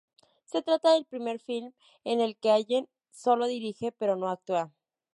Se trata del primer film en el que Allen solo dirige, pero no actúa.